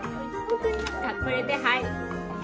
「これではい」